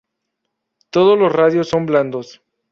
Todos los radios son blandos.